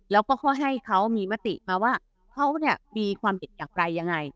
แล้วก็ค่อยให้เขามีมติมาว่าเขาเนี่ยมีความผิดอย่างไรยังไง